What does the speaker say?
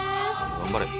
頑張れ。